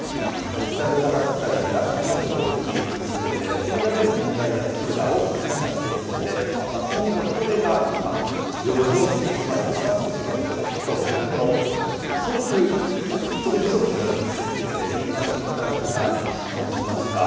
デジタル化だったり、脱炭素の動きによって求められる人材やスキルが大きく変化しているとして、今後、人手が余剰と、つまり余ってしまう職種と、逆にこの不足、人手不足となる職種について、民間シンクタンクが試算をしました。